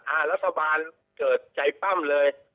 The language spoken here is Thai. รัฐบาลเกิดใจปั้มเลย